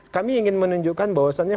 kami ingin menunjukkan bahwasannya